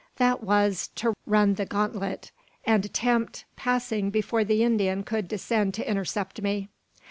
That was, to "run the gauntlet," and attempt passing before the Indian could descend to intercept me.